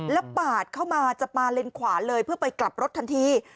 แล้วปาดเข้ามาจะมาเลนขวาเลยเพื่อไปกลับรถทันที